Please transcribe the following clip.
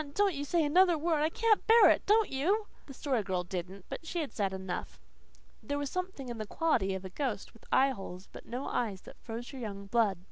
Don't you say another word! I can't bear it! Don't you!" The Story Girl didn't. But she had said enough. There was something in the quality of a ghost with eyeholes but no eyes that froze our young blood.